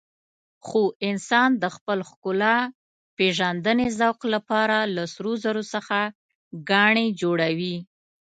خو انسان د خپل ښکلاپېژندنې ذوق لپاره له سرو زرو څخه ګاڼې جوړوي.